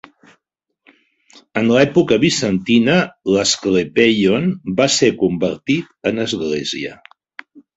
En l'època bizantina, l'Asclepieion va ser convertit en església.